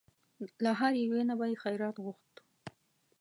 له هرې یوې نه به یې خیرات غوښت.